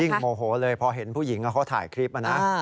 โมโหเลยพอเห็นผู้หญิงเขาถ่ายคลิปนะ